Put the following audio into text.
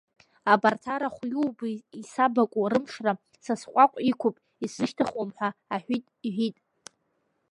Абарҭ арахә иубо исабакәу рымшра са сҟәаҟә иқәуп, исзышьҭыхуам, ҳа аҳәит, иҳәит.